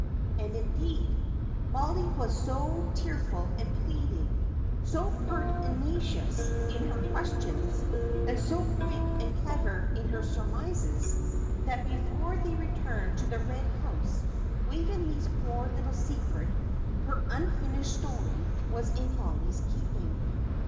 And, indeed, Mollie was so tearful and pleading, so pertinacious in her questions, and so quick and clever in her surmises, that before they returned to the Red House Waveney's poor little secret her unfinished story was in Mollie's keeping.